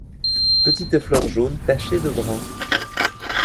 Petites fleurs jaunes tachées de brun.